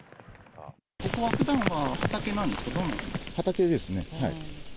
ここはふだんは畑なんですか、畑ですね。